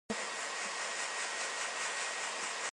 人食一點氣